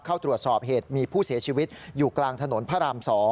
เข้าตรวจสอบเหตุมีผู้เสียชีวิตอยู่กลางถนนพระราม๒